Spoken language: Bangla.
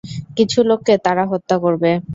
কিছু লোককে তারা হত্যা করবে।